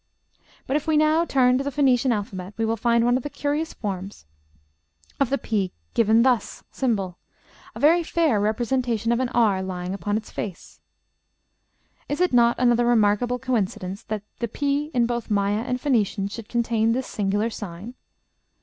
But if we now turn to the Phoenician alphabet, we will find one of the curious forms of the p given thus, ###, a very fair representation of an r lying upon its face. Is it not another remarkable coincidence that the p, in both Maya and Phoenician, should contain this singular sign?